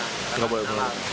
nggak boleh berenang